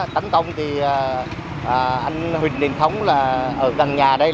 tấn công thì anh huỳnh đình thống ở gần nhà đây